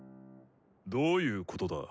どういうことだ？